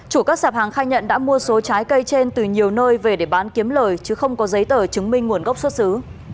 chủ các sạp hàng khai nhận đã mua số trái cây trên từ nhiều nơi về để bán kiếm lời chứ không có giấy tờ chứng minh nguồn gốc xuất xứ